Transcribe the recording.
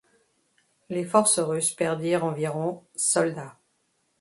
Les forces russes perdirent environ soldats.